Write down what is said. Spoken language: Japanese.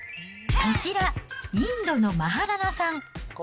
こちら、インドのマハラナさん。